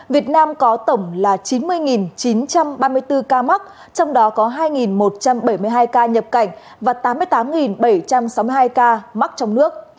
việt nam có tổng là chín mươi chín trăm ba mươi bốn ca mắc trong đó có hai một trăm bảy mươi hai ca nhập cảnh và tám mươi tám bảy trăm sáu mươi hai ca mắc trong nước